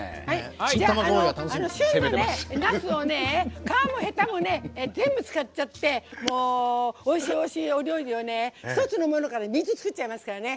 旬のなすを皮もヘタも全部、使っちゃっておいしい、おいしいお料理を１つのものから３つ作っちゃいますからね。